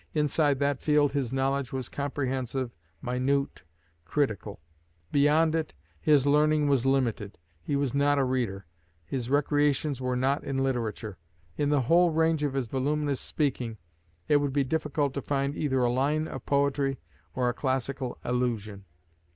Inside that field his knowledge was comprehensive, minute, critical; beyond it his learning was limited. He was not a reader. His recreations were not in literature. In the whole range of his voluminous speaking, it would be difficult to find either a line of poetry or a classical allusion.